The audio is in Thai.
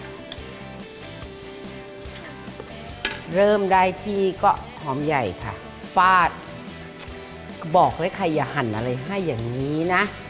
เริ่มได้ที่ก็หอมใหญ่ค่ะฟาดบอกเลยใครอย่าหั่นอะไรให้อย่างนี้นะ